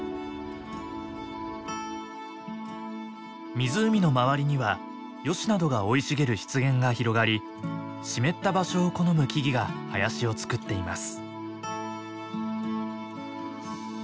湖の周りにはヨシなどが生い茂る湿原が広がり湿った場所を好む木々が林をつくっています。